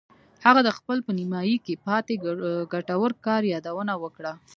هغه د خپل په نیمایي کې پاتې ګټور کار یادونه وکړه